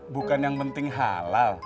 bukan yang penting halal